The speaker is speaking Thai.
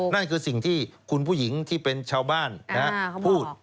นั่นคือสิ่งที่คุณผู้หญิงที่เป็นชาวบ้านพูด